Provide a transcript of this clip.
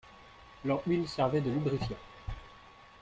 Leur huile servait de lubrifiant.